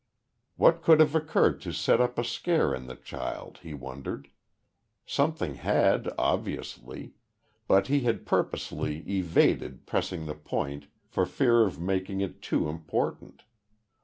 What could have occurred to set up a scare in the child, he wondered? Something had obviously but he had purposely evaded pressing the point for fear of making it too important.